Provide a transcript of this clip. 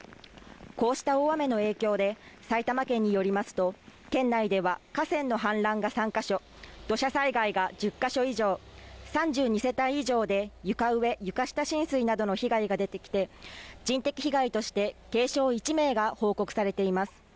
こうした大雨の影響で、埼玉県によりますと、県内では河川の氾濫が３カ所、土砂災害が１０カ所以上、３２世帯以上で床上・床下浸水などの被害が出てきて人的被害として軽傷１名が報告されています。